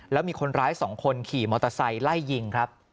แล้วมีคนร้าย๒คนขี่มอเตอร์ไซค์ไล่ยิงครับ